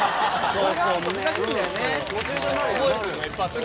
そうそう、難しいんだよね。